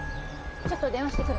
ちょっと電話してくる